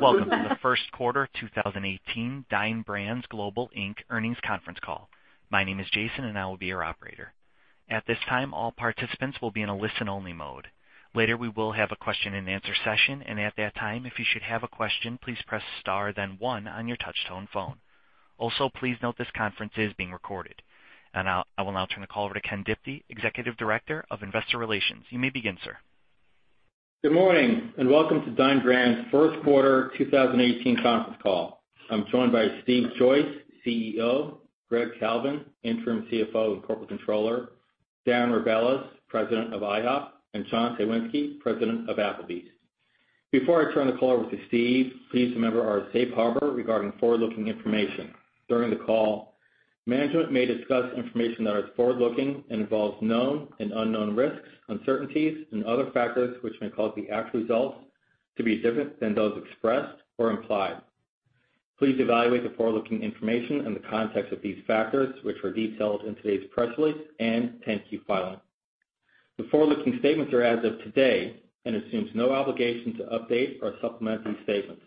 Welcome to the first quarter 2018 Dine Brands Global Inc. earnings conference call. My name is Jason, and I will be your operator. At this time, all participants will be in a listen-only mode. Later, we will have a question-and-answer session, and at that time, if you should have a question, please press star then one on your touch-tone phone. Also, please note this conference is being recorded. I will now turn the call over to Ken Diptee, Executive Director of Investor Relations. You may begin, sir. Good morning, and welcome to Dine Brands' first quarter 2018 conference call. I'm joined by Stephen Joyce, CEO; Greggory Kalvin, Interim CFO, and Corporate Controller; Darren Rebelez, President of IHOP; and John Cywinski, President of Applebee's. Before I turn the call over to Steve, please remember our safe harbor regarding forward-looking information. During the call, management may discuss information that is forward-looking and involves known and unknown risks, uncertainties, and other factors which may cause the actual results to be different than those expressed or implied. Please evaluate the forward-looking information in the context of these factors, which were detailed in today's press release and 10-Q filing. The forward-looking statements are as of today and assume no obligation to update or supplement these statements.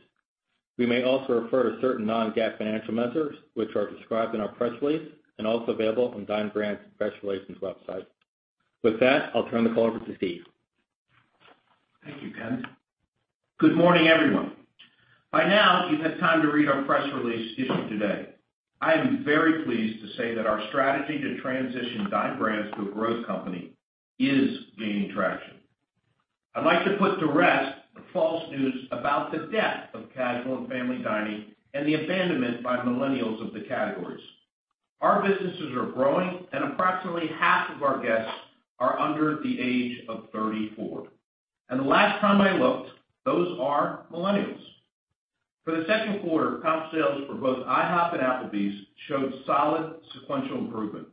We may also refer to certain non-GAAP financial measures, which are described in our press release and also available on Dine Brands' press relations website. With that, I'll turn the call over to Steve. Thank you, Ken. Good morning, everyone. By now, you've had time to read our press release issued today. I am very pleased to say that our strategy to transition Dine Brands to a growth company is gaining traction. I'd like to put to rest the false news about the death of casual and family dining and the abandonment by millennials of the categories. Our businesses are growing, and approximately half of our guests are under the age of 34. The last time I looked, those are millennials. For the second quarter, comp sales for both IHOP and Applebee's showed solid sequential improvement.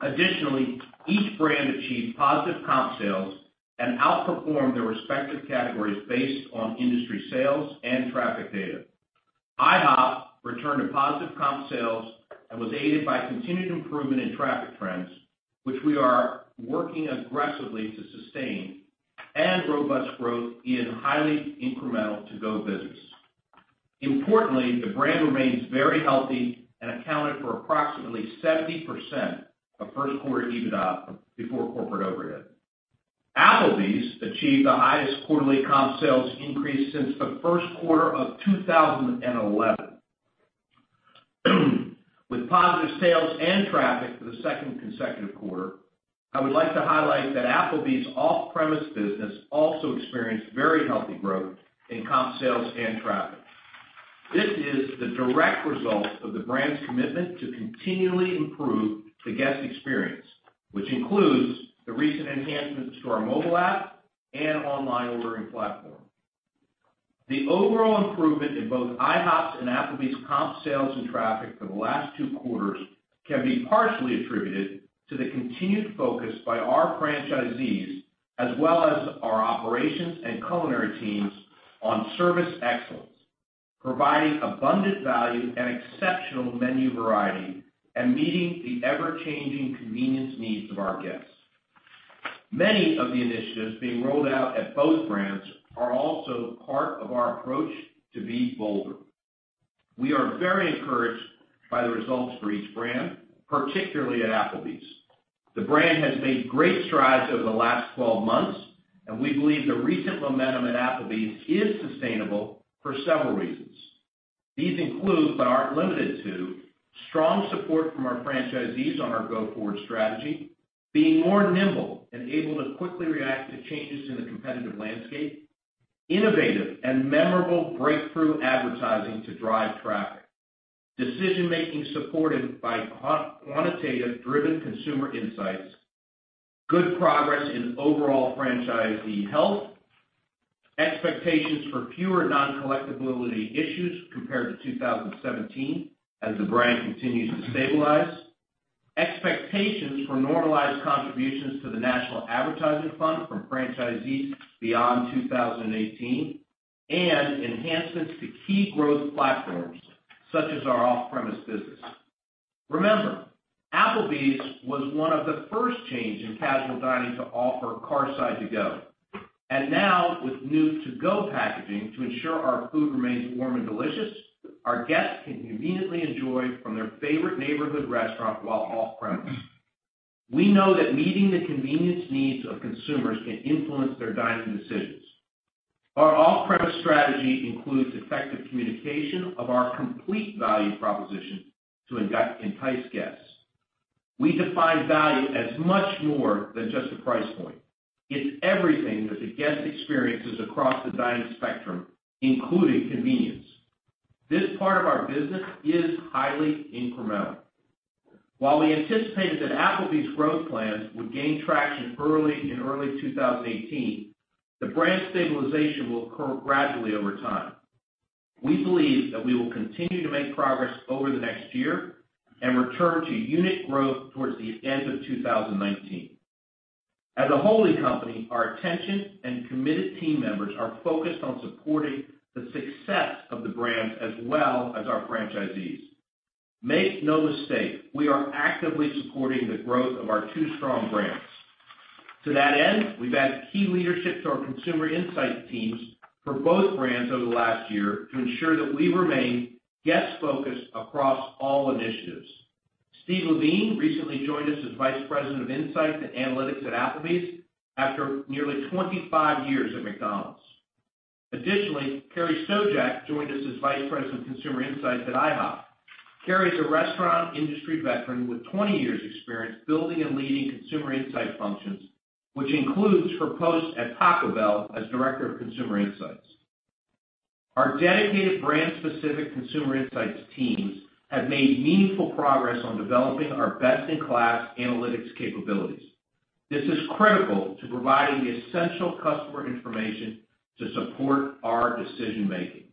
Additionally, each brand achieved positive comp sales and outperformed their respective categories based on industry sales and traffic data. IHOP returned to positive comp sales and was aided by continued improvement in traffic trends, which we are working aggressively to sustain, and robust growth in highly incremental to-go business. Importantly, the brand remains very healthy and accounted for approximately 70% of first quarter EBITDA before corporate overhead. Applebee's achieved the highest quarterly comp sales increase since the first quarter of 2011. With positive sales and traffic for the second consecutive quarter, I would like to highlight that Applebee's off-premise business also experienced very healthy growth in comp sales and traffic. This is the direct result of the brand's commitment to continually improve the guest experience, which includes the recent enhancements to our mobile app and online ordering platform. The overall improvement in both IHOP's and Applebee's comp sales and traffic for the last two quarters can be partially attributed to the continued focus by our franchisees as well as our operations and culinary teams on service excellence, providing abundant value and exceptional menu variety, and meeting the ever-changing convenience needs of our guests. Many of the initiatives being rolled out at both brands are also part of our approach to Be Bolder. We are very encouraged by the results for each brand, particularly at Applebee's. The brand has made great strides over the last 12 months. We believe the recent momentum at Applebee's is sustainable for several reasons. These include, but aren't limited to, strong support from our franchisees on our go-forward strategy, being more nimble and able to quickly react to changes in the competitive landscape, innovative and memorable breakthrough advertising to drive traffic, decision-making supported by quantitative-driven consumer insights, good progress in overall franchisee health, expectations for fewer non-collectibility issues compared to 2017 as the brand continues to stabilize, expectations for normalized contributions to the National Advertising Fund from franchisees beyond 2018, and enhancements to key growth platforms such as our off-premise business. Remember, Applebee's was one of the first chains in casual dining to offer curbside to-go. Now, with new to-go packaging to ensure our food remains warm and delicious, our guests can conveniently enjoy from their favorite neighborhood restaurant while off-premise. We know that meeting the convenience needs of consumers can influence their dining decisions. Our off-premise strategy includes effective communication of our complete value proposition to entice guests. We define value as much more than just a price point. It's everything that the guest experiences across the dining spectrum, including convenience. This part of our business is highly incremental. While we anticipated that Applebee's growth plans would gain traction early in early 2018, the brand stabilization will occur gradually over time. We believe that we will continue to make progress over the next year and return to unit growth towards the end of 2019. As a holding company, our attention and committed team members are focused on supporting the success of the brands as well as our franchisees. Make no mistake, we are actively supporting the growth of our two strong brands. To that end, we've added key leadership to our consumer insights teams for both brands over the last year to ensure that we remain guest-focused across all initiatives. Steve Levigne recently joined us as Vice President of Insights and Analytics at Applebee's after nearly 25 years at McDonald's. Additionally, Carrie Stojack joined us as Vice President of Consumer Insights at IHOP. Carrie is a restaurant industry veteran with 20 years' experience building and leading consumer insights functions, which includes her post at Taco Bell as Director of Consumer Insights. Our dedicated brand-specific consumer insights teams have made meaningful progress on developing our best-in-class analytics capabilities. This is critical to providing the essential customer information to support our decision-making.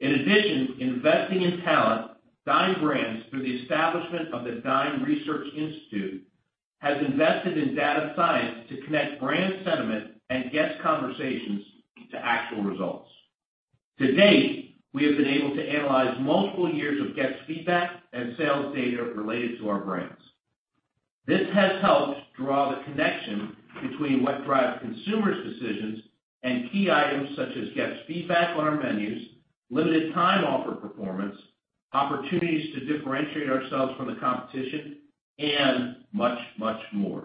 In addition to investing in talent, Dine Brands, through the establishment of the Dine Research Institute, has invested in data science to connect brand sentiment and guest conversations into actual results. To date, we have been able to analyze multiple years of guest feedback and sales data related to our brands. This has helped draw the connection between what drives consumers' decisions and key items such as guests' feedback on our menus, limited time offer performance, opportunities to differentiate ourselves from the competition, and much, much more.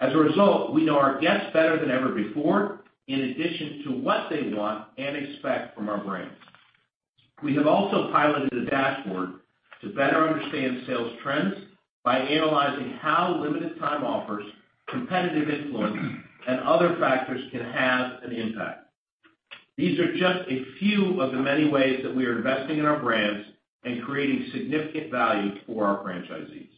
As a result, we know our guests better than ever before, in addition to what they want and expect from our brands. We have also piloted a dashboard to better understand sales trends by analyzing how limited time offers, competitive influence, and other factors can have an impact. These are just a few of the many ways that we are investing in our brands and creating significant value for our franchisees.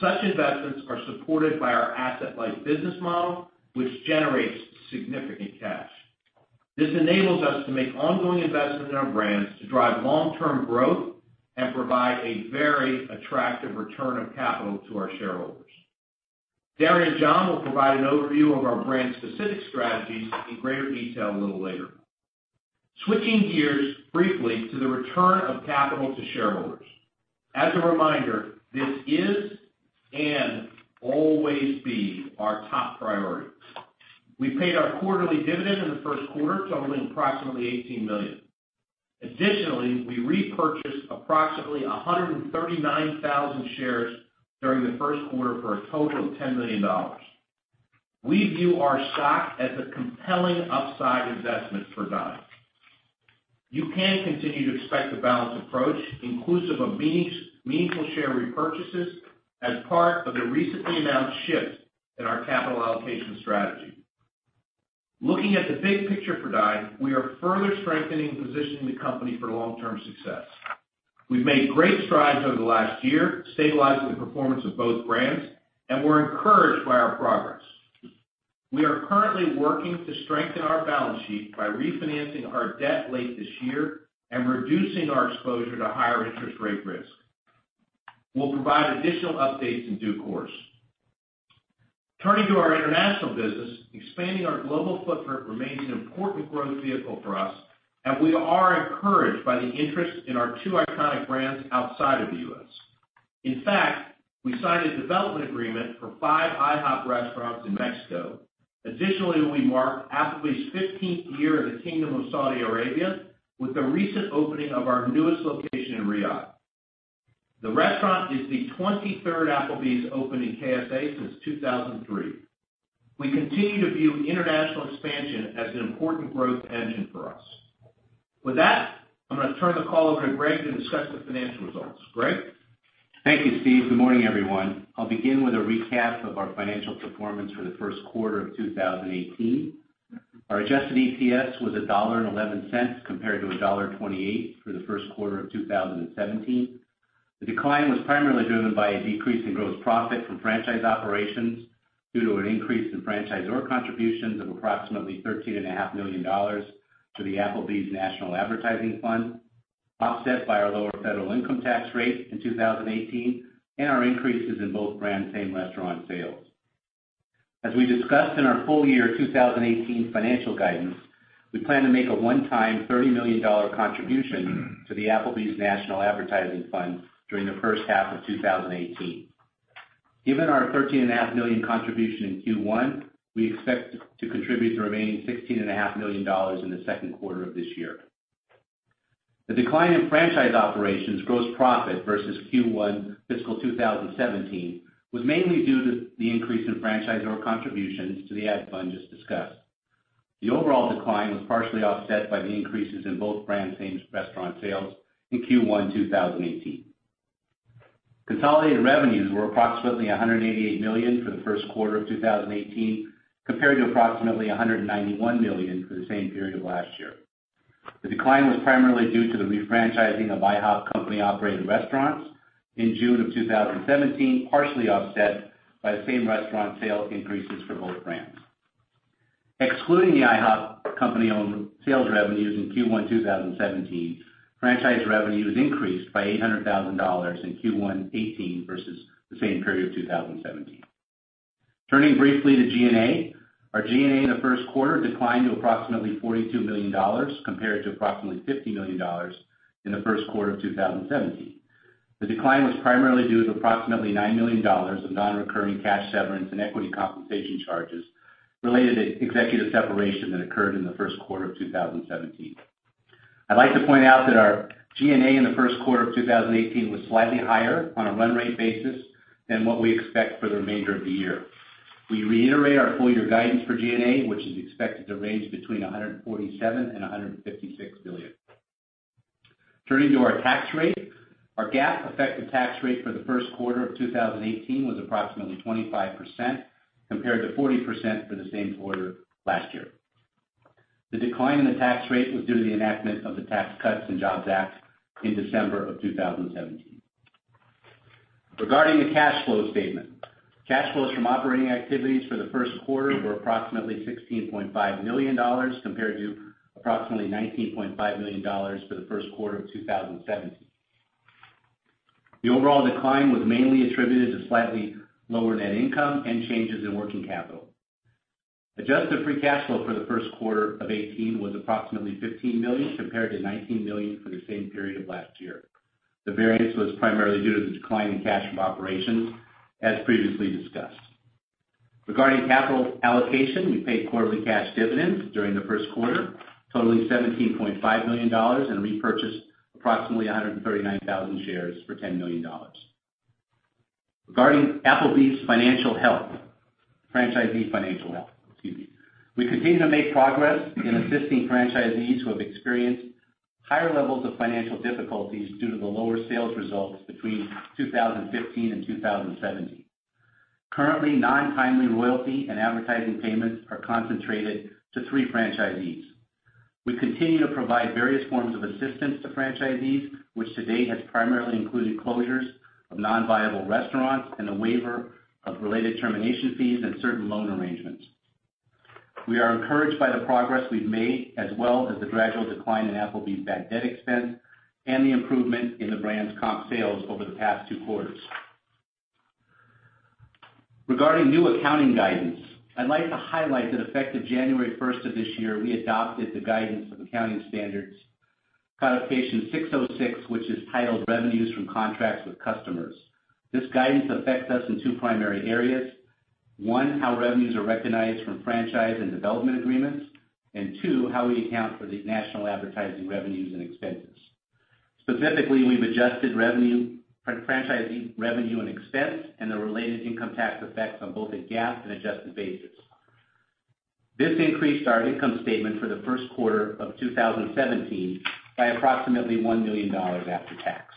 Such investments are supported by our asset-light business model, which generates significant cash. This enables us to make ongoing investments in our brands to drive long-term growth and provide a very attractive return on capital to our shareholders. Darren and John will provide an overview of our brand-specific strategies in greater detail a little later. Switching gears briefly to the return of capital to shareholders. As a reminder, this is and will always be our top priority. We paid our quarterly dividend in the first quarter, totaling approximately $18 million. Additionally, we repurchased approximately 139,000 shares during the first quarter for a total of $10 million. We view our stock as a compelling upside investment for Dine. You can continue to expect a balanced approach, inclusive of meaningful share repurchases as part of the recently announced shift in our capital allocation strategy. Looking at the big picture for Dine, we are further strengthening and positioning the company for long-term success. We've made great strides over the last year, stabilizing the performance of both brands, and we're encouraged by our progress. We are currently working to strengthen our balance sheet by refinancing our debt late this year and reducing our exposure to higher interest rate risk. We'll provide additional updates in due course. Turning to our international business, expanding our global footprint remains an important growth vehicle for us, and we are encouraged by the interest in our two iconic brands outside of the U.S. In fact, we signed a development agreement for five IHOP restaurants in Mexico. Additionally, we marked Applebee's 15th year in the Kingdom of Saudi Arabia with the recent opening of our newest location in Riyadh. The restaurant is the 23rd Applebee's opened in KSA since 2003. We continue to view international expansion as an important growth engine for us. With that, I'm going to turn the call over to Greg to discuss the financial results. Greg? Thank you, Steve. Good morning, everyone. I'll begin with a recap of our financial performance for the first quarter of 2018. Our adjusted EPS was $1.11 compared to $1.28 for the first quarter of 2017. The decline was primarily driven by a decrease in gross profit from franchise operations due to an increase in franchisor contributions of approximately $13.5 million to the Applebee's National Advertising Fund, offset by our lower federal income tax rate in 2018 and our increases in both brand same restaurant sales. As we discussed in our full year 2018 financial guidance, we plan to make a one-time $30 million contribution to the Applebee's National Advertising Fund during the first half of 2018. Given our $13.5 million contribution in Q1, we expect to contribute the remaining $16.5 million in the second quarter of this year. The decline in franchise operations gross profit versus Q1 fiscal 2017 was mainly due to the increase in franchisor contributions to the ad fund just discussed. The overall decline was partially offset by the increases in both brand same restaurant sales in Q1 2018. Consolidated revenues were approximately $188 million for the first quarter of 2018 compared to approximately $191 million for the same period last year. The decline was primarily due to the refranchising of IHOP company-operated restaurants in June of 2017, partially offset by the same-restaurant sale increases for both brands. Excluding the IHOP company-owned sales revenues in Q1 2017, franchise revenues increased by $800,000 in Q1 '18 versus the same period of 2017. Turning briefly to G&A. Our G&A in the first quarter declined to approximately $42 million compared to approximately $50 million in the first quarter of 2017. The decline was primarily due to approximately $9 million of non-recurring cash severance and equity compensation charges related to executive separation that occurred in the first quarter of 2017. I'd like to point out that our G&A in the first quarter of 2018 was slightly higher on a run rate basis than what we expect for the remainder of the year. We reiterate our full year guidance for G&A, which is expected to range between $147 million and $156 million. Turning to our tax rate. Our GAAP effective tax rate for the first quarter of 2018 was approximately 25%, compared to 40% for the same quarter last year. The decline in the tax rate was due to the enactment of the Tax Cuts and Jobs Act in December of 2017. Regarding the cash flow statement. Cash flows from operating activities for the first quarter were approximately $16.5 million, compared to approximately $19.5 million for the first quarter of 2017. The overall decline was mainly attributed to slightly lower net income and changes in working capital. Adjusted free cash flow for the first quarter of 2018 was approximately $15 million, compared to $19 million for the same period last year. The variance was primarily due to the decline in cash from operations, as previously discussed. Regarding capital allocation, we paid quarterly cash dividends during the first quarter, totaling $17.5 million and repurchased approximately 139,000 shares for $10 million. Regarding Applebee's financial health. Franchisee financial health, excuse me. We continue to make progress in assisting franchisees who have experienced higher levels of financial difficulties due to the lower sales results between 2015 and 2017. Currently, non-timely royalty and advertising payments are concentrated to three franchisees. We continue to provide various forms of assistance to franchisees, which to date has primarily included closures of non-viable restaurants and a waiver of related termination fees and certain loan arrangements. We are encouraged by the progress we've made, as well as the gradual decline in Applebee's back debt expense and the improvement in the brand's comp sales over the past two quarters. Regarding new accounting guidance, I'd like to highlight that effective January 1st of this year, we adopted the guidance of Accounting Standards Codification 606, which is titled Revenues from Contracts with Customers. This guidance affects us in two primary areas. One, how revenues are recognized from franchise and development agreements, and two, how we account for the national advertising revenues and expenses. Specifically, we've adjusted revenue, franchisee revenue and expense, and the related income tax effects on both a GAAP and adjusted basis. This increased our income statement for the first quarter of 2017 by approximately $1 million after tax.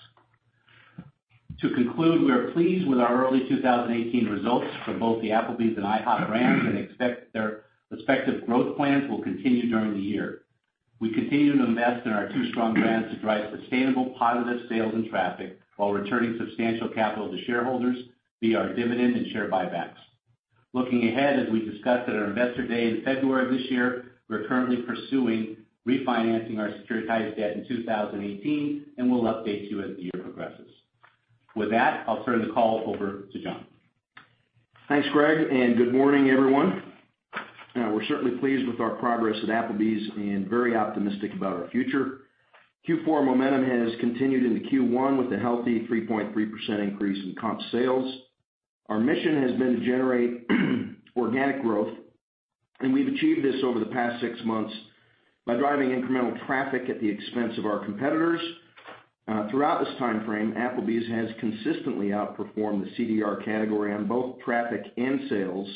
To conclude, we are pleased with our early 2018 results for both the Applebee's and IHOP brands and expect their respective growth plans will continue during the year. We continue to invest in our two strong brands to drive sustainable positive sales and traffic while returning substantial capital to shareholders via our dividend and share buybacks. Looking ahead, as we discussed at our Investor Day in February of this year, we are currently pursuing refinancing our securitized debt in 2018. We'll update you as the year progresses. With that, I'll turn the call over to John. Thanks, Greg. Good morning, everyone. We're certainly pleased with our progress at Applebee's and very optimistic about our future. Q4 momentum has continued into Q1 with a healthy 3.3% increase in comp sales. Our mission has been to generate organic growth. We've achieved this over the past six months by driving incremental traffic at the expense of our competitors. Throughout this timeframe, Applebee's has consistently outperformed the CDR category on both traffic and sales.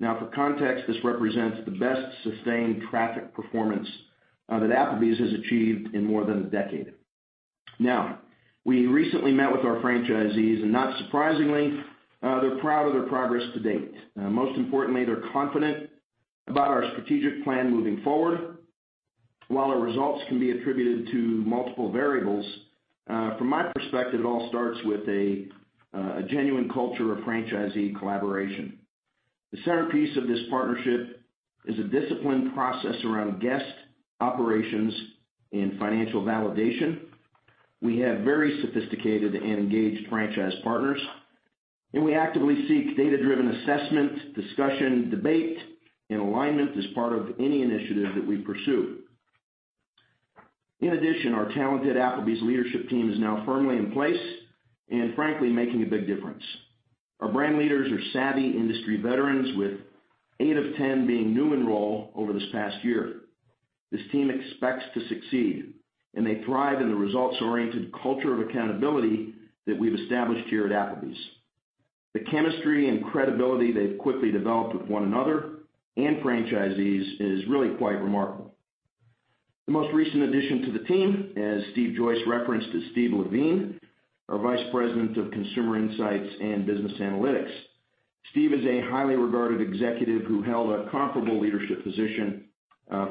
For context, this represents the best sustained traffic performance that Applebee's has achieved in more than a decade. We recently met with our franchisees. Not surprisingly, they're proud of their progress to date. Most importantly, they're confident about our strategic plan moving forward. While our results can be attributed to multiple variables, from my perspective, it all starts with a genuine culture of franchisee collaboration. The centerpiece of this partnership is a disciplined process around guest operations and financial validation. We have very sophisticated and engaged franchise partners, we actively seek data-driven assessment, discussion, debate, and alignment as part of any initiative that we pursue. In addition, our talented Applebee's leadership team is now firmly in place and frankly, making a big difference. Our brand leaders are savvy industry veterans with eight of ten being new in role over this past year. This team expects to succeed, they thrive in the results-oriented culture of accountability that we've established here at Applebee's. The chemistry and credibility they've quickly developed with one another and franchisees is really quite remarkable. The most recent addition to the team, as Steve Joyce referenced, is Steve Levigne, our Vice President of Consumer Insights and Business Analytics. Steve is a highly regarded executive who held a comparable leadership position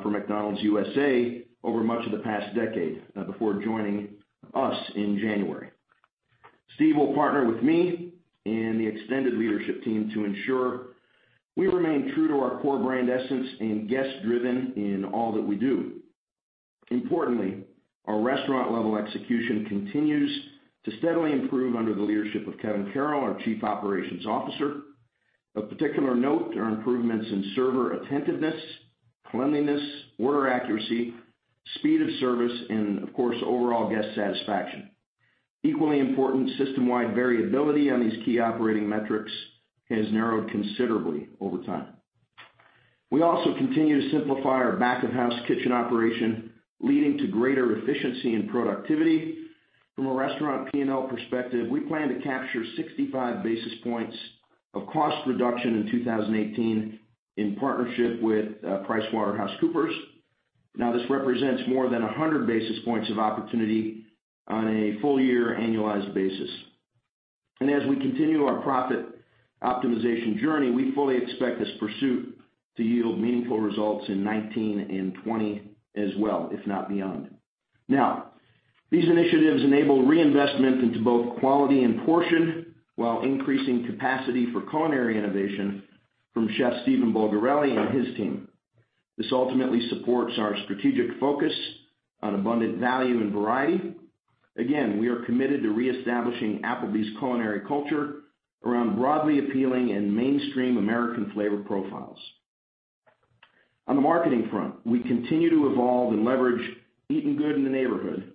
for McDonald's USA over much of the past decade before joining us in January. Steve will partner with me and the extended leadership team to ensure we remain true to our core brand essence and guest-driven in all that we do. Importantly, our restaurant level execution continues to steadily improve under the leadership of Kevin Carroll, our Chief Operations Officer. Of particular note are improvements in server attentiveness, cleanliness, order accuracy, speed of service, and of course, overall guest satisfaction. Equally important, system-wide variability on these key operating metrics has narrowed considerably over time. We also continue to simplify our back-of-house kitchen operation, leading to greater efficiency and productivity. From a restaurant P&L perspective, we plan to capture 65 basis points of cost reduction in 2018, in partnership with PricewaterhouseCoopers. This represents more than 100 basis points of opportunity on a full year annualized basis. As we continue our profit optimization journey, we fully expect this pursuit to yield meaningful results in 2019 and 2020 as well, if not beyond. These initiatives enable reinvestment into both quality and portion, while increasing capacity for culinary innovation from Chef Stephen Bulgarelli and his team. This ultimately supports our strategic focus on abundant value and variety. Again, we are committed to reestablishing Applebee's culinary culture around broadly appealing and mainstream American flavor profiles. On the marketing front, we continue to evolve and leverage Eatin' Good in the Neighborhood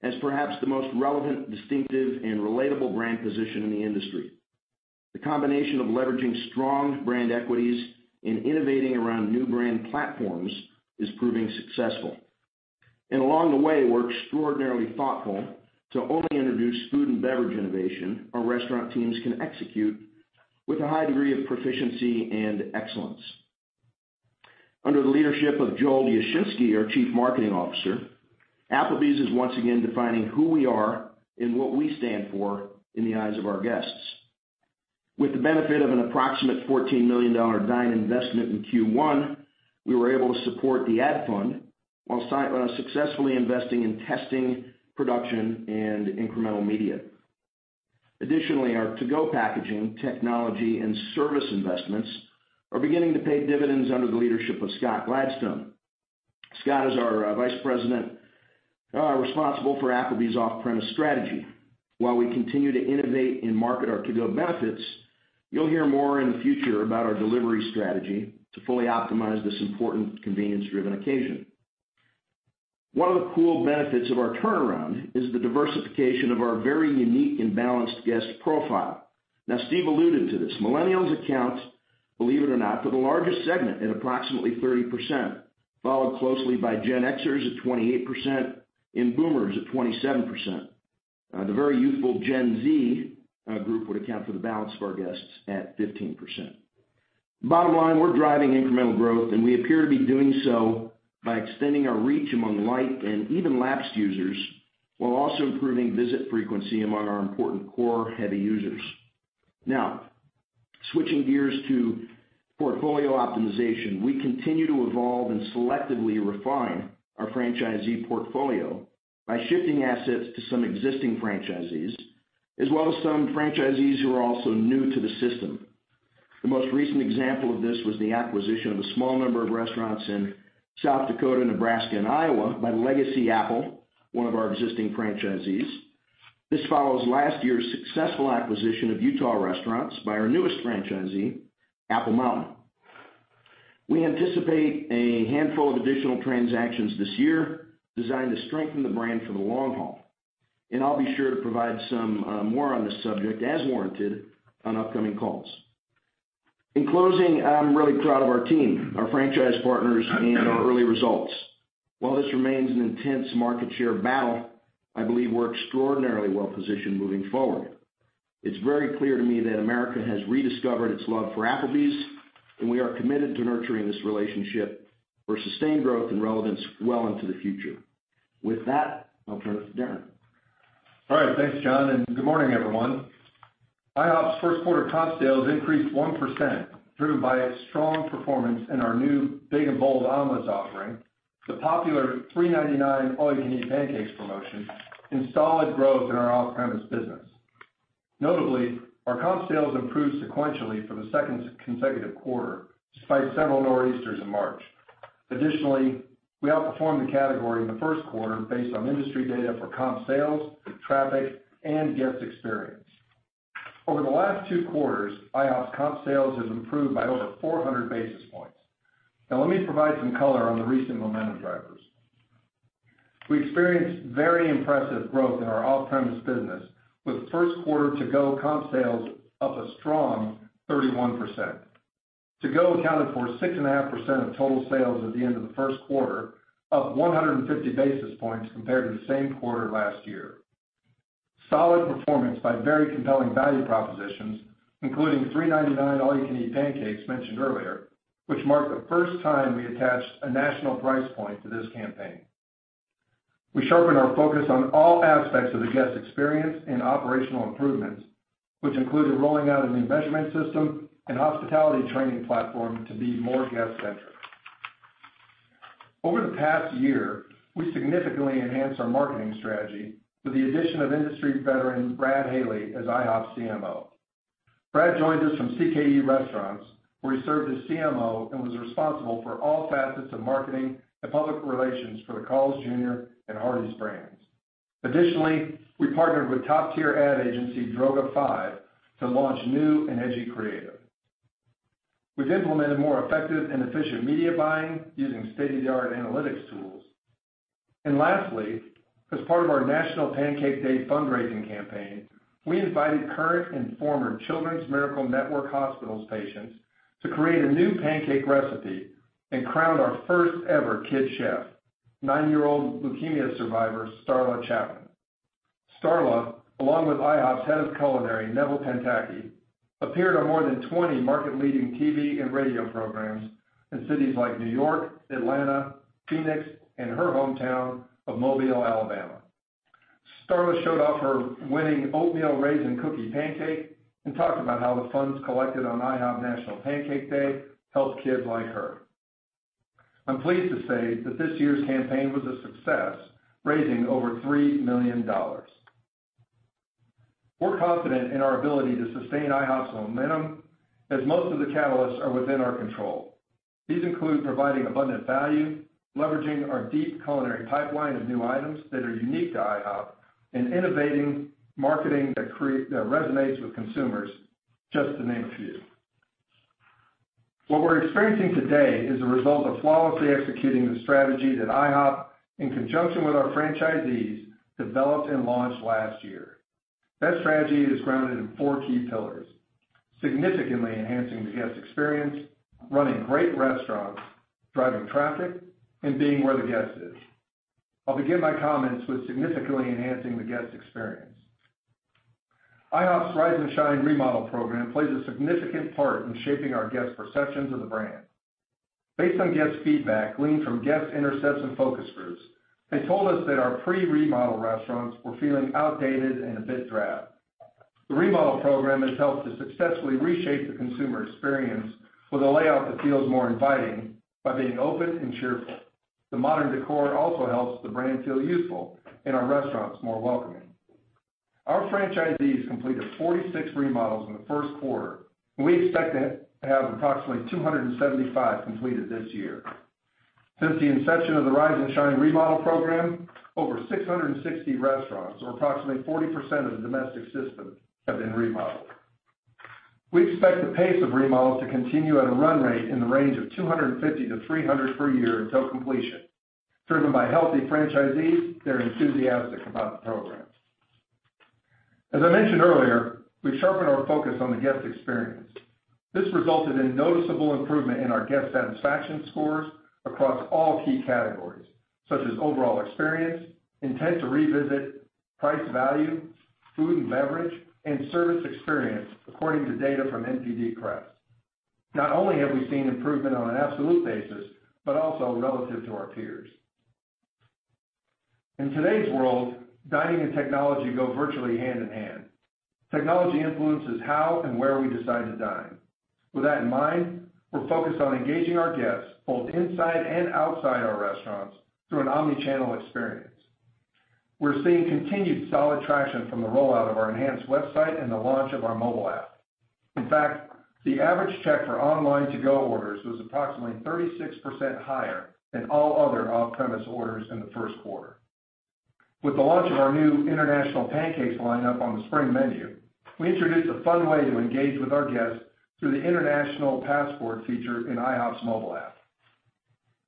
as perhaps the most relevant, distinctive, and relatable brand position in the industry. The combination of leveraging strong brand equities and innovating around new brand platforms is proving successful. Along the way, we're extraordinarily thoughtful to only introduce food and beverage innovation our restaurant teams can execute with a high degree of proficiency and excellence. Under the leadership of Joel Yashinsky, our Chief Marketing Officer, Applebee's is once again defining who we are and what we stand for in the eyes of our guests. With the benefit of an approximate $14 million Dine investment in Q1, we were able to support the Ad Fund while successfully investing in testing, production, and incremental media. Additionally, our to-go packaging technology and service investments are beginning to pay dividends under the leadership of Scott Gladstone. Scott is our Vice President responsible for Applebee's off-premise strategy. While we continue to innovate and market our to-go benefits, you'll hear more in the future about our delivery strategy to fully optimize this important convenience-driven occasion. One of the cool benefits of our turnaround is the diversification of our very unique and balanced guest profile. Steve alluded to this. Millennials account, believe it or not, for the largest segment at approximately 30%, followed closely by Gen Xers at 28% and Boomers at 27%. The very youthful Gen Z group would account for the balance of our guests at 15%. Bottom line, we're driving incremental growth, and we appear to be doing so by extending our reach among light and even lapsed users, while also improving visit frequency among our important core heavy users. Switching gears to portfolio optimization, we continue to evolve and selectively refine our franchisee portfolio by shifting assets to some existing franchisees, as well as some franchisees who are also new to the system. The most recent example of this was the acquisition of a small number of restaurants in South Dakota, Nebraska, and Iowa by Legacy Apple, one of our existing franchisees. This follows last year's successful acquisition of Utah restaurants by our newest franchisee, Apple Mountain. We anticipate a handful of additional transactions this year designed to strengthen the brand for the long haul. I'll be sure to provide some more on this subject as warranted on upcoming calls. In closing, I'm really proud of our team, our franchise partners, and our early results. While this remains an intense market share battle, I believe we're extraordinarily well-positioned moving forward. It's very clear to me that America has rediscovered its love for Applebee's, and we are committed to nurturing this relationship for sustained growth and relevance well into the future. With that, I'll turn it to Darren. All right. Thanks, John. Good morning, everyone. IHOP's first quarter comp sales increased 1%, driven by a strong performance in our new Big and Bold Omelets offering, the popular $3.99 All You Can Eat Pancakes promotion, and solid growth in our off-premise business. Notably, our comp sales improved sequentially for the second consecutive quarter, despite several Nor'easters in March. Additionally, we outperformed the category in the first quarter based on industry data for comp sales, traffic, and guest experience. Over the last two quarters, IHOP's comp sales have improved by over 400 basis points. Let me provide some color on the recent momentum drivers. We experienced very impressive growth in our off-premise business, with first quarter to-go comp sales up a strong 31%. To-go accounted for 6.5% of total sales at the end of the first quarter, up 150 basis points compared to the same quarter last year. Solid performance by very compelling value propositions, including $3.99 All You Can Eat Pancakes mentioned earlier, which marked the first time we attached a national price point to this campaign. We sharpened our focus on all aspects of the guest experience and operational improvements, which included rolling out a new measurement system and hospitality training platform to be more guest-centric. Over the past year, we significantly enhanced our marketing strategy with the addition of industry veteran Brad Haley as IHOP's CMO. Brad joined us from CKE Restaurants, where he served as CMO and was responsible for all facets of marketing and public relations for the Carl's Jr. and Hardee's brands. Additionally, we partnered with top-tier ad agency Droga5 to launch new and edgy creative. We've implemented more effective and efficient media buying using state-of-the-art analytics tools. Lastly, as part of our National Pancake Day fundraising campaign, we invited current and former Children's Miracle Network Hospitals patients to create a new pancake recipe and crowned our first-ever kid chef, nine-year-old leukemia survivor, Starla Chapman. Starla, along with IHOP's Head of Culinary, Nevielle Panthaky, appeared on more than 20 market-leading TV and radio programs in cities like New York, Atlanta, Phoenix, and her hometown of Mobile, Alabama. Starla showed off her winning oatmeal raisin cookie pancake and talked about how the funds collected on IHOP National Pancake Day help kids like her. I'm pleased to say that this year's campaign was a success, raising over $3 million. We're confident in our ability to sustain IHOP's momentum as most of the catalysts are within our control. These include providing abundant value, leveraging our deep culinary pipeline of new items that are unique to IHOP, and innovating marketing that resonates with consumers, just to name a few. What we're experiencing today is the result of flawlessly executing the strategy that IHOP, in conjunction with our franchisees, developed and launched last year. That strategy is grounded in four key pillars, significantly enhancing the guest experience, running great restaurants, driving traffic, and being where the guest is. I'll begin my comments with significantly enhancing the guest experience. IHOP's Rise 'N Shine remodel program plays a significant part in shaping our guests' perceptions of the brand. Based on guest feedback gleaned from guest intercepts and focus groups, they told us that our pre-remodel restaurants were feeling outdated and a bit drab. The remodel program has helped to successfully reshape the consumer experience with a layout that feels more inviting by being open and cheerful. The modern decor also helps the brand feel useful, and our restaurants more welcoming. Our franchisees completed 46 remodels in the first quarter, and we expect to have approximately 275 completed this year. Since the inception of the Rise and Shine remodel program, over 660 restaurants, or approximately 40% of the domestic system, have been remodeled. We expect the pace of remodels to continue at a run rate in the range of 250 to 300 per year until completion, driven by healthy franchisees that are enthusiastic about the program. As I mentioned earlier, we've sharpened our focus on the guest experience. This resulted in noticeable improvement in our guest satisfaction scores across all key categories, such as overall experience, intent to revisit, price value, food and beverage, and service experience, according to data from NPD CREST. Not only have we seen improvement on an absolute basis, but also relative to our peers. In today's world, dining and technology go virtually hand-in-hand. Technology influences how and where we decide to dine. With that in mind, we're focused on engaging our guests, both inside and outside our restaurants, through an omni-channel experience. We're seeing continued solid traction from the rollout of our enhanced website and the launch of our mobile app. In fact, the average check for online to-go orders was approximately 36% higher than all other off-premise orders in the first quarter. With the launch of our new International Pancakes lineup on the spring menu, we introduced a fun way to engage with our guests through the International Passport feature in IHOP's mobile app.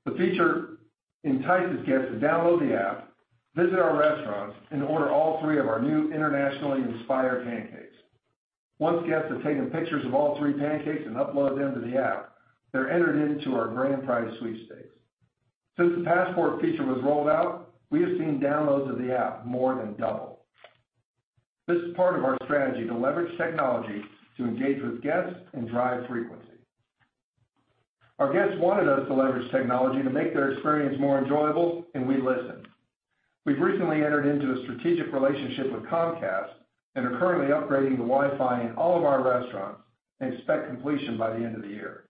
The feature entices guests to download the app, visit our restaurants, and order all three of our new internationally inspired pancakes. Once guests have taken pictures of all three pancakes and uploaded them to the app, they are entered into our grand prize sweepstakes. Since the passport feature was rolled out, we have seen downloads of the app more than double. This is part of our strategy to leverage technology to engage with guests and drive frequency. Our guests wanted us to leverage technology to make their experience more enjoyable, we listened. We have recently entered into a strategic relationship with Comcast and are currently upgrading the Wi-Fi in all of our restaurants and expect completion by the end of the year.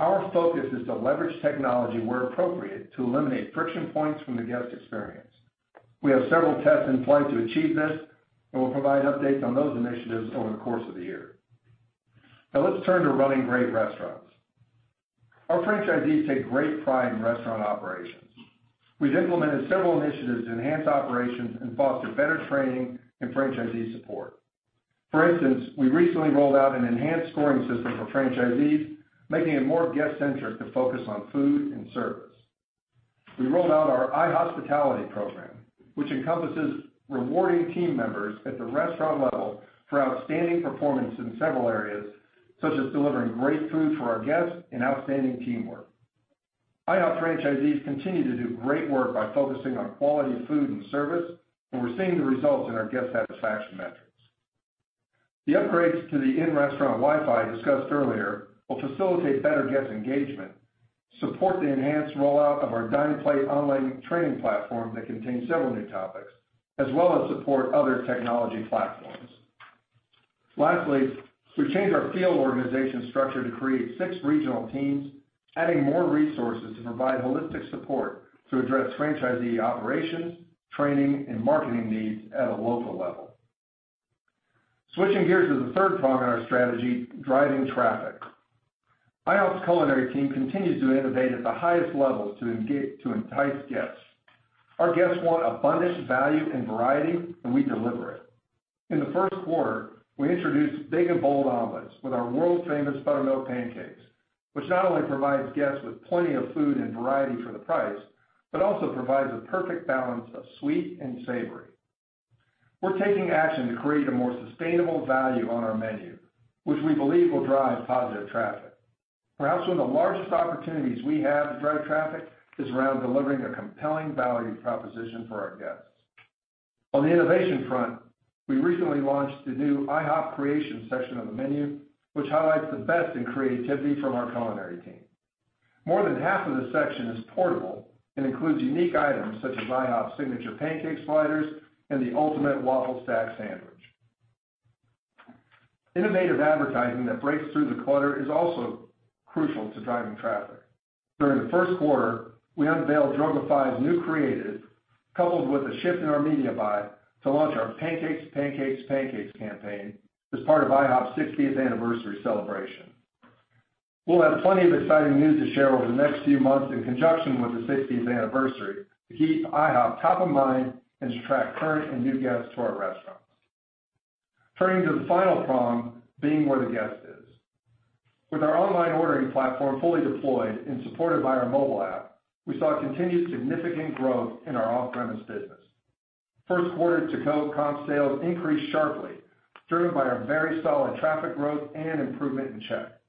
Our focus is to leverage technology where appropriate to eliminate friction points from the guest experience. We will provide updates on those initiatives over the course of the year. Let us turn to running great restaurants. Our franchisees take great pride in restaurant operations. We have implemented several initiatives to enhance operations and foster better training and franchisee support. For instance, we recently rolled out an enhanced scoring system for franchisees, making it more guest-centric to focus on food and service. We rolled out our iHospitality program, which encompasses rewarding team members at the restaurant level for outstanding performance in several areas, such as delivering great food for our guests and outstanding teamwork. IHOP franchisees continue to do great work by focusing on quality of food and service, we are seeing the results in our guest satisfaction metrics. The upgrades to the in-restaurant Wi-Fi discussed earlier will facilitate better guest engagement, support the enhanced rollout of our DinePlay online training platform that contains several new topics, as well as support other technology platforms. Lastly, we changed our field organization structure to create six regional teams Adding more resources to provide holistic support to address franchisee operations, training, and marketing needs at a local level. Switching gears to the third prong in our strategy, driving traffic. IHOP's culinary team continues to innovate at the highest levels to entice guests. Our guests want abundance, value, and variety, we deliver it. In the first quarter, we introduced Big & Bold Omelets with our world-famous buttermilk pancakes, which not only provides guests with plenty of food and variety for the price, but also provides a perfect balance of sweet and savory. We are taking action to create a more sustainable value on our menu, which we believe will drive positive traffic. Perhaps one of the largest opportunities we have to drive traffic is around delivering a compelling value proposition for our guests. On the innovation front, we recently launched the new IHOP Creations section of the menu, which highlights the best in creativity from our culinary team. More than half of this section is portable and includes unique items such as IHOP's signature pancake sliders and the ultimate waffle stack sandwich. Innovative advertising that breaks through the clutter is also crucial to driving traffic. During the first quarter, we unveiled Droga5's new creative, coupled with a shift in our media buy to launch our Pancakes, Pancakes campaign as part of IHOP's 60th anniversary celebration. We'll have plenty of exciting news to share over the next few months in conjunction with the 60th anniversary to keep IHOP top of mind and to attract current and new guests to our restaurants. Turning to the final prong, being where the guest is. With our online ordering platform fully deployed and supported by our mobile app, we saw continued significant growth in our off-premise business. First quarter to-go comp sales increased sharply, driven by our very solid traffic growth and improvement in check.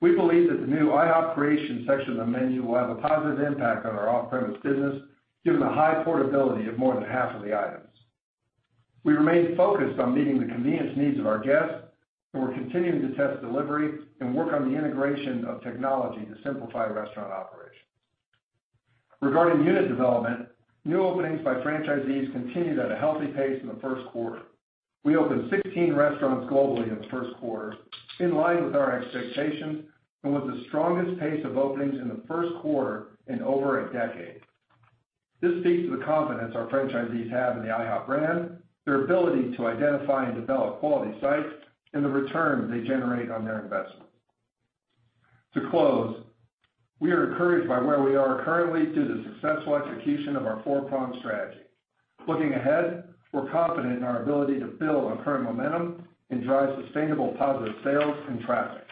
We believe that the new IHOP Creations section of the menu will have a positive impact on our off-premise business, given the high portability of more than half of the items. We remain focused on meeting the convenience needs of our guests. We're continuing to test delivery and work on the integration of technology to simplify restaurant operations. Regarding unit development, new openings by franchisees continued at a healthy pace in the first quarter. We opened 16 restaurants globally in the first quarter, in line with our expectations, and was the strongest pace of openings in the first quarter in over a decade. This speaks to the confidence our franchisees have in the IHOP brand, their ability to identify and develop quality sites, and the return they generate on their investment. To close, we are encouraged by where we are currently due to the successful execution of our four-prong strategy. Looking ahead, we're confident in our ability to build on current momentum and drive sustainable positive sales and traffic.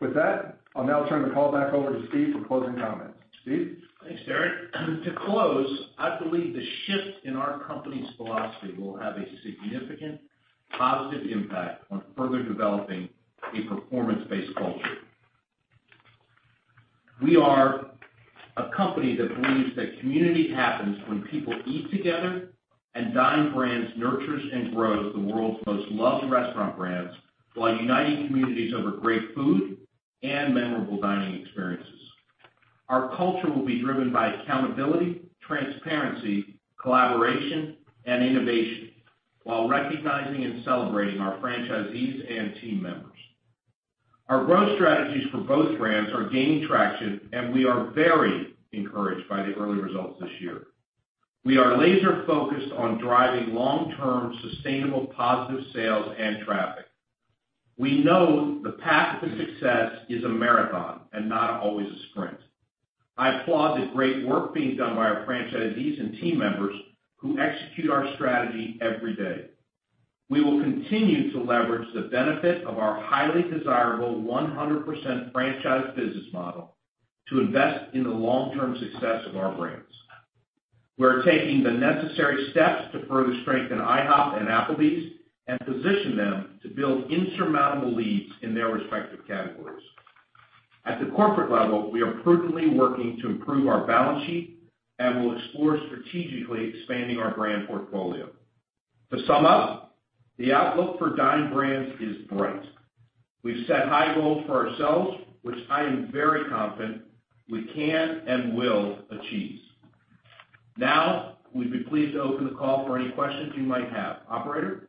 With that, I'll now turn the call back over to Steve for closing comments. Steve? Thanks, Darren. To close, I believe the shift in our company's philosophy will have a significant positive impact on further developing a performance-based culture. We are a company that believes that community happens when people eat together. Dine Brands nurtures and grows the world's most loved restaurant brands while uniting communities over great food and memorable dining experiences. Our culture will be driven by accountability, transparency, collaboration, and innovation while recognizing and celebrating our franchisees and team members. Our growth strategies for both brands are gaining traction. We are very encouraged by the early results this year. We are laser-focused on driving long-term, sustainable, positive sales and traffic. We know the path to success is a marathon and not always a sprint. I applaud the great work being done by our franchisees and team members who execute our strategy every day. We will continue to leverage the benefit of our highly desirable 100% franchise business model to invest in the long-term success of our brands. We're taking the necessary steps to further strengthen IHOP and Applebee's and position them to build insurmountable leads in their respective categories. At the corporate level, we are prudently working to improve our balance sheet and will explore strategically expanding our brand portfolio. To sum up, the outlook for Dine Brands is bright. We've set high goals for ourselves, which I am very confident we can and will achieve. Now, we'd be pleased to open the call for any questions you might have. Operator?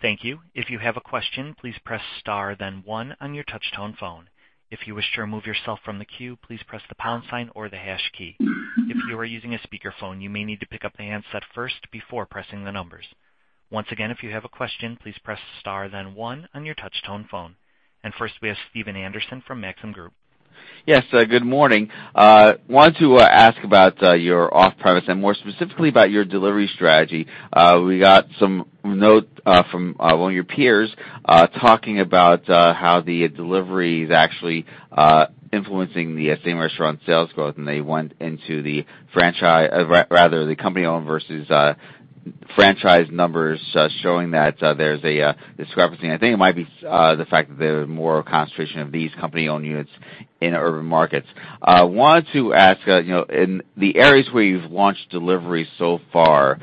Thank you. If you have a question, please press star then one on your touch-tone phone. If you wish to remove yourself from the queue, please press the pound sign or the hash key. If you are using a speakerphone, you may need to pick up the handset first before pressing the numbers. Once again, if you have a question, please press star then one on your touch-tone phone. First, we have Stephen Anderson from Maxim Group. Yes, good morning. Wanted to ask about your off-premise and more specifically about your delivery strategy. We got some notes from one of your peers talking about how the delivery is actually influencing the same-restaurant sales growth, and they went into the company-owned versus franchise numbers, showing that there's a discrepancy. I think it might be the fact that there is more concentration of these company-owned units in urban markets. I wanted to ask, in the areas where you've launched delivery so far,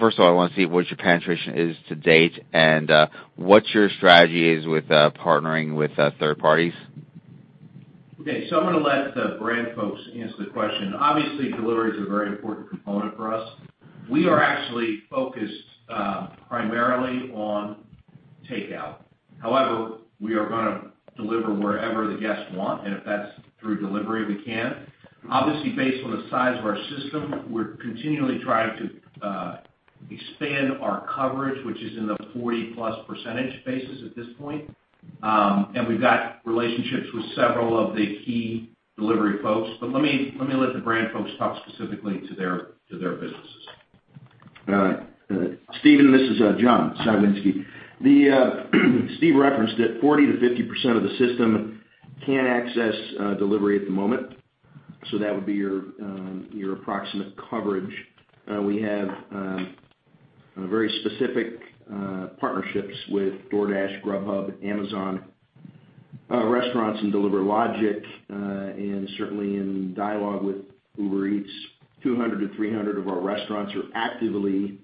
first of all, I want to see what your penetration is to date and what your strategy is with partnering with third parties. Okay, I'm going to let the brand folks answer the question. Obviously, delivery is a very important component for us. We are actually focused primarily on takeout. However, we are going to deliver wherever the guests want, and if that's through delivery, we can. Obviously, based on the size of our system, we're continually trying to expand our coverage, which is in the 40+% basis at this point. We've got relationships with several of the key delivery folks. Let me let the brand folks talk specifically to their businesses. All right. Stephen, this is John Cywinski. Stephen referenced that 40%-50% of the system can't access delivery at the moment. That would be your approximate coverage. We have very specific partnerships with DoorDash, Grubhub, Amazon Restaurants, and DeliverLogic, and certainly in dialogue with Uber Eats. 200-300 of our restaurants are actively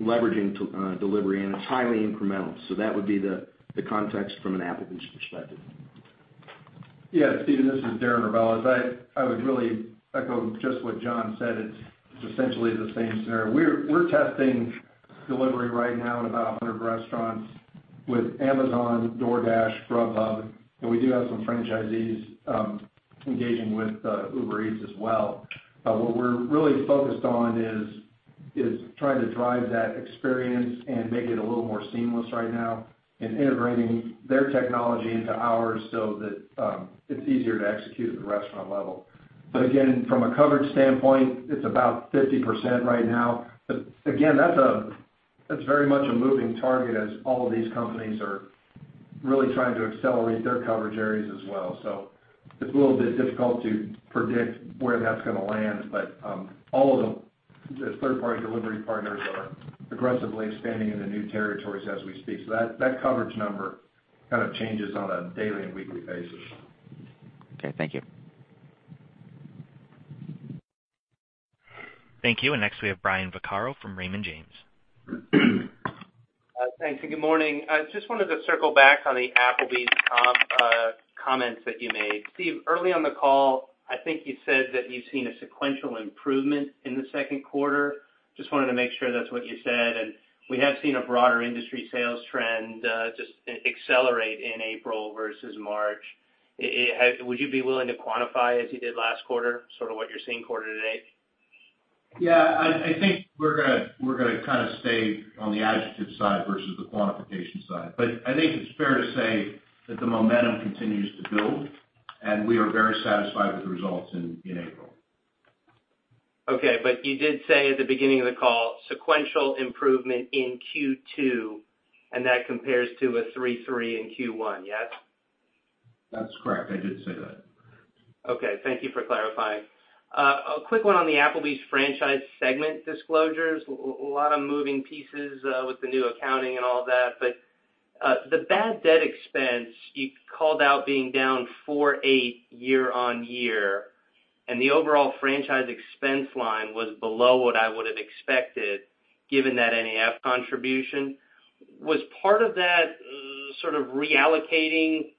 leveraging delivery, and it's highly incremental. That would be the context from an Applebee's perspective. Yeah, Stephen, this is Darren Rebelez. I would really echo just what John said. It's essentially the same scenario. We're testing delivery right now in about 100 restaurants with Amazon, DoorDash, Grubhub, and we do have some franchisees engaging with Uber Eats as well. What we're really focused on is trying to drive that experience and make it a little more seamless right now in integrating their technology into ours so that it's easier to execute at the restaurant level. Again, from a coverage standpoint, it's about 50% right now. Again, that's very much a moving target as all of these companies are really trying to accelerate their coverage areas as well. It's a little bit difficult to predict where that's going to land, but all of the third-party delivery partners are aggressively expanding into new territories as we speak. That coverage number changes on a daily and weekly basis. Okay, thank you. Thank you. Next we have Brian Vaccaro from Raymond James. Thanks, good morning. I just wanted to circle back on the Applebee's comp comments that you made. Steve, early on the call, I think you said that you've seen a sequential improvement in the second quarter. Just wanted to make sure that's what you said, we have seen a broader industry sales trend just accelerate in April versus March. Would you be willing to quantify as you did last quarter, sort of what you're seeing quarter to date? I think we're going to stay on the adjective side versus the quantification side. I think it's fair to say that the momentum continues to build, we are very satisfied with the results in April. You did say at the beginning of the call, sequential improvement in Q2, and that compares to a 3.3 in Q1, yes? That's correct. I did say that. Okay. Thank you for clarifying. A quick one on the Applebee's franchise segment disclosures. A lot of moving pieces with the new accounting and all that, but the bad debt expense you called out being down 4.8 year-on-year, and the overall franchise expense line was below what I would have expected given that NAF contribution. Was part of that sort of reallocating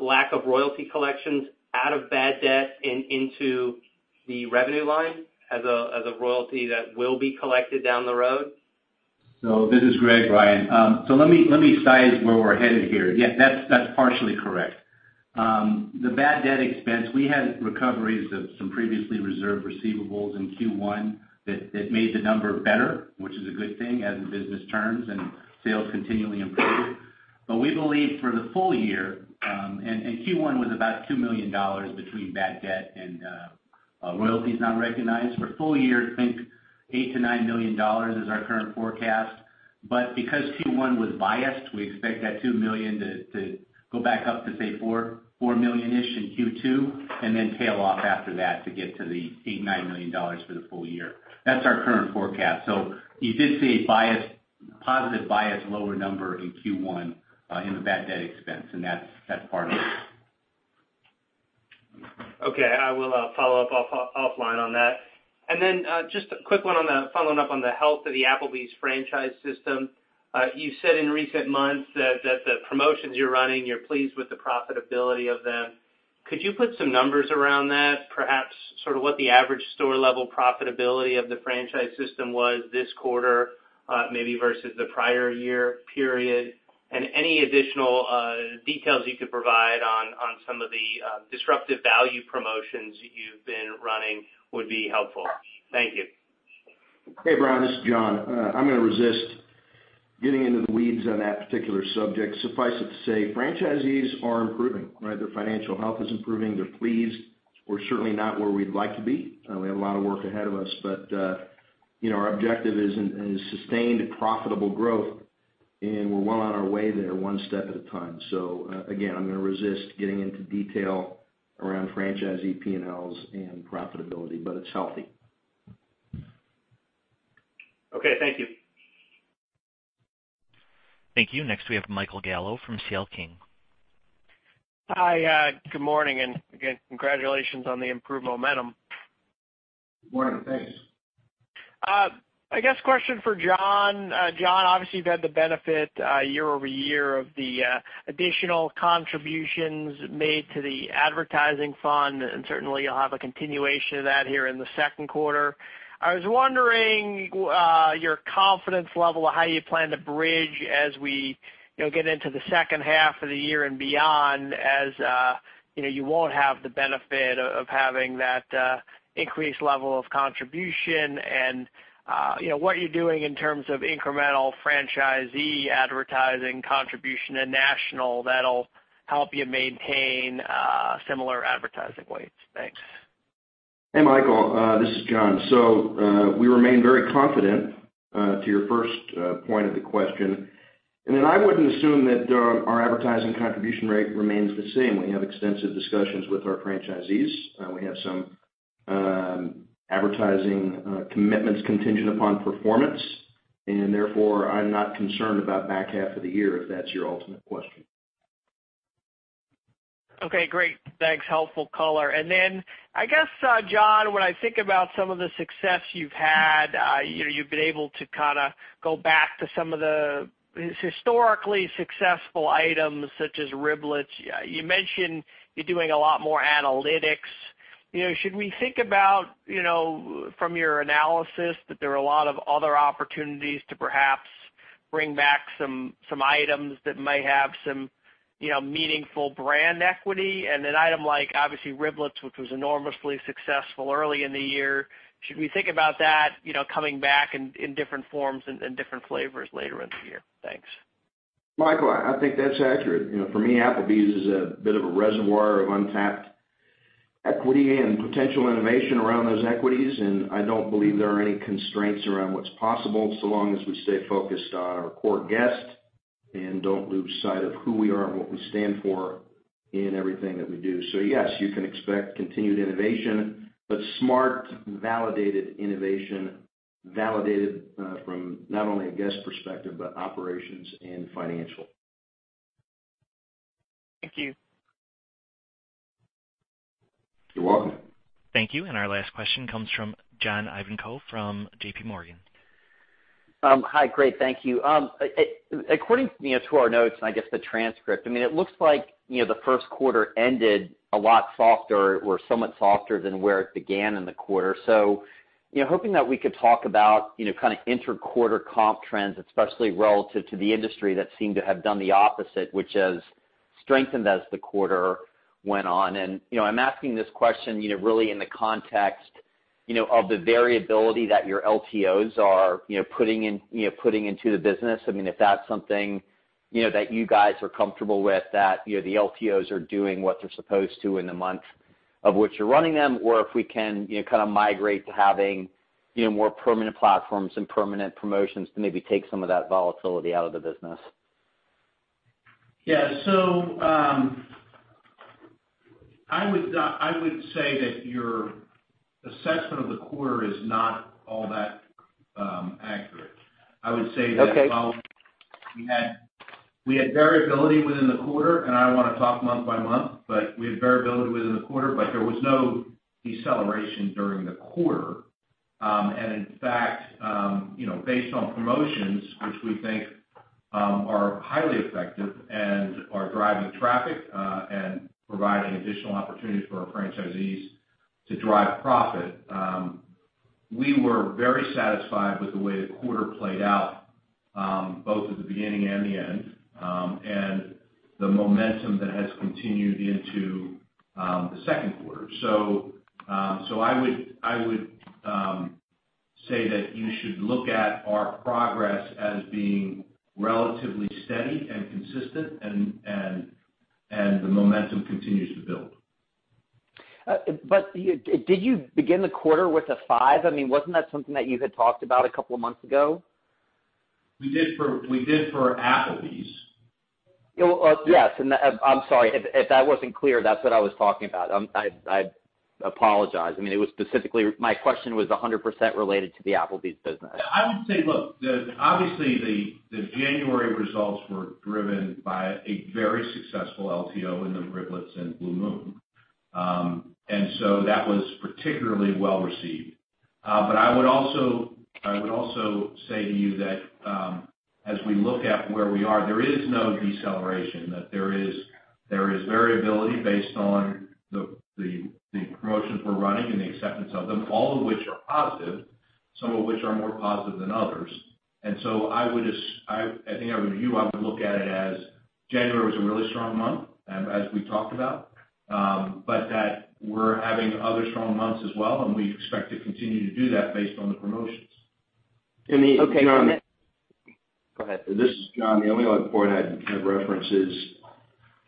lack of royalty collections out of bad debt and into the revenue line as a royalty that will be collected down the road? This is Greg, Brian. Let me size where we're headed here. Yeah, that's partially correct. The bad debt expense, we had recoveries of some previously reserved receivables in Q1 that made the number better, which is a good thing as the business turns and sales continually improve. We believe for the full year, and Q1 was about $2 million between bad debt and royalties not recognized. For full year, think $8 million-$9 million is our current forecast. Because Q1 was biased, we expect that $2 million to go back up to, say, $4 million-ish in Q2, and then tail off after that to get to the $8 million, $9 million for the full year. That's our current forecast. You did see a positive bias lower number in Q1 in the bad debt expense, and that's part of it. Okay. I will follow up offline on that. Then just a quick one following up on the health of the Applebee's franchise system. You said in recent months that the promotions you're running, you're pleased with the profitability of them. Could you put some numbers around that? Perhaps what the average store-level profitability of the franchise system was this quarter maybe versus the prior year period? Any additional details you could provide on some of the disruptive value promotions you've been running would be helpful. Thank you. Hey, Brian, this is John. I'm going to resist getting into the weeds on that particular subject. Suffice it to say, franchisees are improving. Their financial health is improving. They're pleased. We're certainly not where we'd like to be. We have a lot of work ahead of us, but our objective is sustained, profitable growth, and we're well on our way there, one step at a time. Again, I'm going to resist getting into detail around franchisee P&Ls and profitability, but it's healthy. Okay, thank you. Thank you. Next, we have Michael Gallo from C.L. King. Hi, good morning. Again, congratulations on the improved momentum. Good morning. Thanks. I guess question for John. John, obviously, you've had the benefit year-over-year of the additional contributions made to the advertising fund. Certainly you'll have a continuation of that here in the second quarter. I was wondering your confidence level of how you plan to bridge as we get into the second half of the year and beyond, as you won't have the benefit of having that increased level of contribution and what you're doing in terms of incremental franchisee advertising contribution and national that'll help you maintain similar advertising weights. Thanks. Hey, Michael, this is John. We remain very confident, to your first point of the question. I wouldn't assume that our advertising contribution rate remains the same. We have extensive discussions with our franchisees. We have some advertising commitments contingent upon performance. Therefore, I'm not concerned about back half of the year, if that's your ultimate question. Okay, great. Thanks. Helpful color. I guess, John, when I think about some of the success you've had, you've been able to go back to some of the historically successful items such as Riblets. You mentioned you're doing a lot more analytics. Should we think about, from your analysis, that there are a lot of other opportunities to perhaps bring back some items that may have some meaningful brand equity? An item like, obviously, Riblets, which was enormously successful early in the year, should we think about that coming back in different forms and different flavors later in the year? Thanks. Michael, I think that's accurate. For me, Applebee's is a bit of a reservoir of untapped equity and potential innovation around those equities. I don't believe there are any constraints around what's possible, so long as we stay focused on our core guest and don't lose sight of who we are and what we stand for in everything that we do. Yes, you can expect continued innovation, but smart, validated innovation, validated from not only a guest perspective, but operations and financial. Thank you. You're welcome. Thank you. Our last question comes from John Ivankoe from JPMorgan. Hi, great. Thank you. According to our notes and I guess the transcript, it looks like the first quarter ended a lot softer or somewhat softer than where it began in the quarter. Hoping that we could talk about inter-quarter comp trends, especially relative to the industry that seemed to have done the opposite, which has strengthened as the quarter went on. I'm asking this question really in the context of the variability that your LTOs are putting into the business. If that's something that you guys are comfortable with, that the LTOs are doing what they're supposed to in the month of which you're running them, or if we can migrate to having more permanent platforms and permanent promotions to maybe take some of that volatility out of the business. Yeah. I would say that your assessment of the quarter is not all that accurate. Okay. I would say that we had variability within the quarter, and I don't want to talk month by month, but we had variability within the quarter, but there was no deceleration during the quarter. In fact, based on promotions, which we think are highly effective and are driving traffic, and providing additional opportunities for our franchisees to drive profit, we were very satisfied with the way the quarter played out, both at the beginning and the end, and the momentum that has continued into the second quarter. I would say that you should look at our progress as being relatively steady and consistent and the momentum continues to build. Did you begin the quarter with a five? Wasn't that something that you had talked about a couple of months ago? We did for Applebee's. Yes. I'm sorry, if that wasn't clear, that's what I was talking about. I apologize. My question was 100% related to the Applebee's business. I would say, look, obviously, the January results were driven by a very successful LTO in the Riblets and Blue Moon. That was particularly well-received. I would also say to you that, as we look at where we are, there is no deceleration, that there is variability based on the promotions we're running and the acceptance of them, all of which are positive, some of which are more positive than others. I think if I were you, I would look at it as January was a really strong month, as we talked about, but that we're having other strong months as well, and we expect to continue to do that based on the promotions. Okay. Go ahead. This is John. The only other point I'd reference is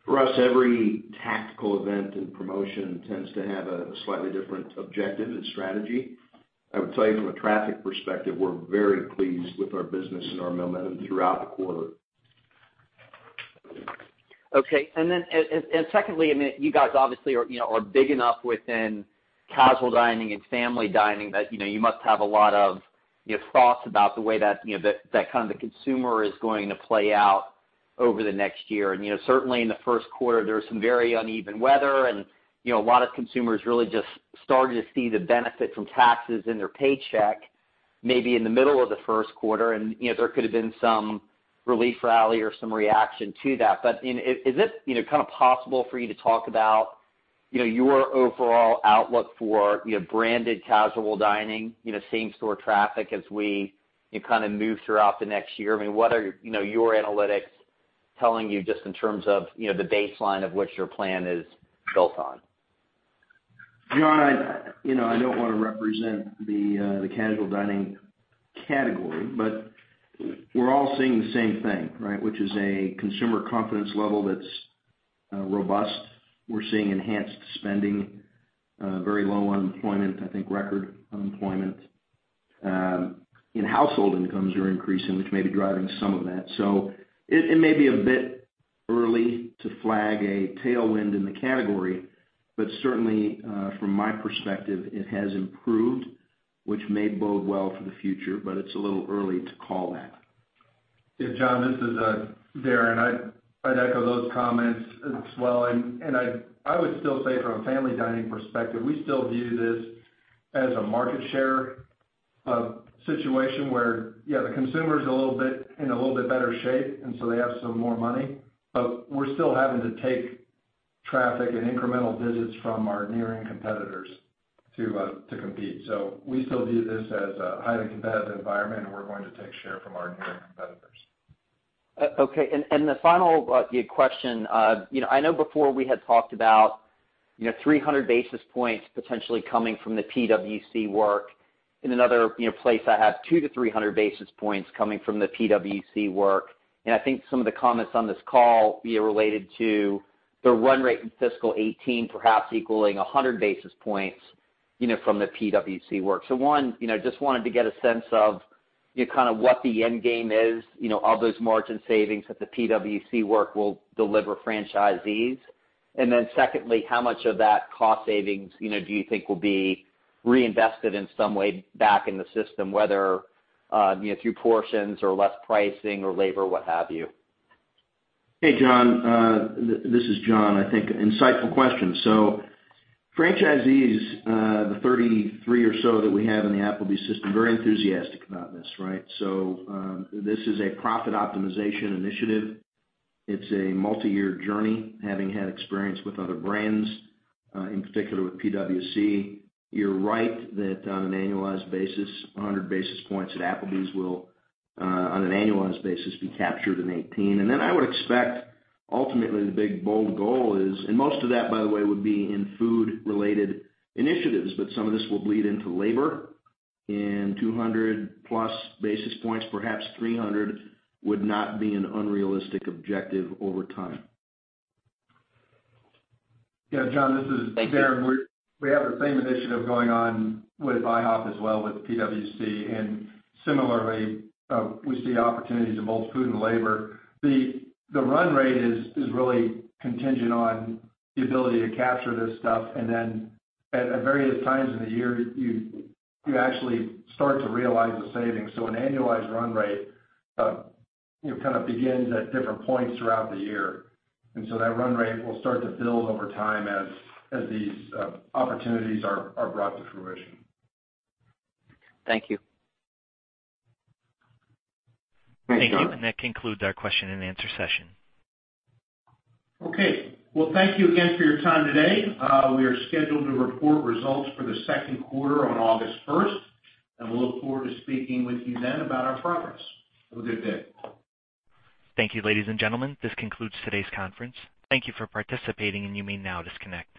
for us, every tactical event and promotion tends to have a slightly different objective and strategy. I would tell you from a traffic perspective, we're very pleased with our business and our momentum throughout the quarter. Okay. Secondly, you guys obviously are big enough within casual dining and family dining that you must have a lot of thoughts about the way that the consumer is going to play out over the next year. Certainly in the first quarter there was some very uneven weather, and a lot of consumers really just started to see the benefit from taxes in their paycheck, maybe in the middle of the first quarter, and there could have been some relief rally or some reaction to that. Is it possible for you to talk about your overall outlook for branded casual dining, same-store traffic as we move throughout the next year? I mean, what are your analytics telling you just in terms of the baseline of what your plan is built on? John, I don't want to represent the casual dining category, we're all seeing the same thing, right? Which is a consumer confidence level that's robust. We're seeing enhanced spending, very low unemployment, I think record unemployment. Household incomes are increasing, which may be driving some of that. It may be a bit early to flag a tailwind in the category, certainly, from my perspective, it has improved, which may bode well for the future, it's a little early to call that. Yeah, John, this is Darren. I'd echo those comments as well, I would still say from a family dining perspective, we still view this as a market share situation where the consumer's in a little bit better shape, they have some more money, we're still having to take traffic and incremental visits from our near competitors to compete. We still view this as a highly competitive environment, we're going to take share from our near competitors. Okay, the final question. I know before we had talked about 300 basis points potentially coming from the PwC work. In another place that had 2 to 300 basis points coming from the PwC work. I think some of the comments on this call related to the run rate in fiscal 2018 perhaps equaling 100 basis points from the PwC work. 1, just wanted to get a sense of what the end game is of those margin savings that the PwC work will deliver franchisees. 2, how much of that cost savings do you think will be reinvested in some way back in the system, whether through portions or less pricing or labor, what have you? Hey, John. This is John. Insightful question. Franchisees, the 33 or so that we have in the Applebee's system, very enthusiastic about this, right? This is a profit optimization initiative. It's a multi-year journey, having had experience with other brands, in particular with PwC. You're right that on an annualized basis, 100 basis points at Applebee's will, on an annualized basis, be captured in 2018. I would expect ultimately the big bold goal is, most of that, by the way, would be in food related initiatives, but some of this will bleed into labor, 200-plus basis points, perhaps 300, would not be an unrealistic objective over time. Yeah, John, this is Darren. Thank you. We have the same initiative going on with IHOP as well, with PwC, similarly, we see opportunities in both food and labor. The run rate is really contingent on the ability to capture this stuff, then at various times in the year, you actually start to realize the savings. An annualized run rate begins at different points throughout the year. That run rate will start to build over time as these opportunities are brought to fruition. Thank you. Thanks, John. Thank you. That concludes our question and answer session. Okay. Well, thank you again for your time today. We are scheduled to report results for the second quarter on August 1st, and we'll look forward to speaking with you then about our progress. Have a good day. Thank you, ladies and gentlemen. This concludes today's conference. Thank you for participating, and you may now disconnect.